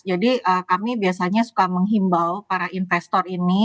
jadi kami biasanya suka menghimbau para investor ini